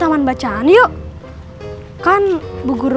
bapak bapak prabut